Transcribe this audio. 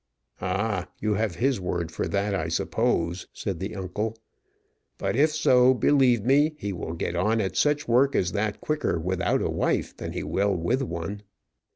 "Ah! you have his word for that, I suppose," said the uncle; "but if so, believe me he will get on at such work as that quicker without a wife than he will with one."